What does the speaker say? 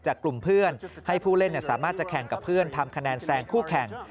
ให้ผู้เล่นสามารถจะแข่งกับเพื่อนทำคะแนนแซงคู่แข่ง